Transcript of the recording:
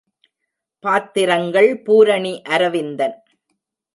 பாத்திரங்கள் பூரணி அரவிந்தன்.